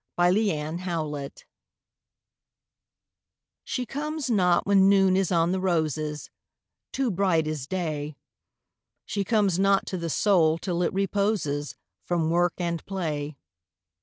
Y Z She Comes Not She comes not when Noon is on the roses Too bright is Day. She comes not to the Soul till it reposes From work and play.